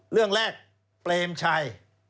เรื่องแรกเปรมชัย